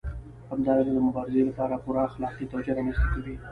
همدارنګه د مبارزې لپاره پوره اخلاقي توجیه رامنځته کوي.